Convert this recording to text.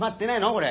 これ。